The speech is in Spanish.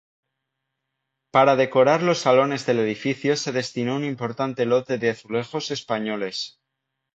Para decorar los salones del edificio se destinó un importante lote de azulejos españoles.